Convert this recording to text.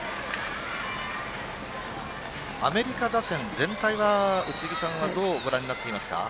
アメリカ打線全体は宇津木さんはどうご覧になっていますか。